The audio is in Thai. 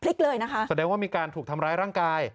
เลยนะคะแสดงว่ามีการถูกทำร้ายร่างกาย